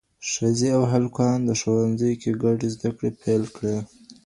ښځې او هلکان د ښوونځیو کې ګډ زده کړې پیل کړې.